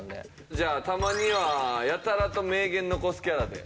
じゃあたまにわやたらと名言残すキャラで。